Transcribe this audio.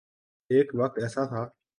ایک وقت ایسا تھا۔